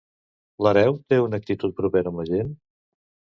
L'hereu té una actitud propera amb la gent?